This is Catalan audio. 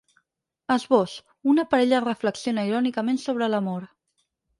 Esbós: Una parella reflexiona irònicament sobre l’amor.